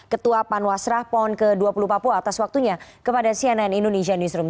semoga tidak terjadi penyebaran